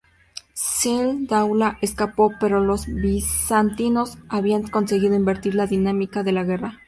Sayf al-Dawla escapó, pero los bizantinos habían conseguido invertir la dinámica de la guerra.